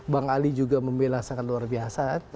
bang ali juga membela sangat luar biasa